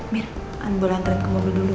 mir boleh anterin ke mobil dulu ya